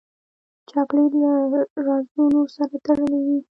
چاکلېټ له رازونو سره تړلی وي.